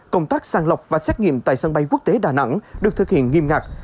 công tác sàng lọc và xét nghiệm tại sân bay quốc tế đà nẵng được thực hiện nghiêm ngặt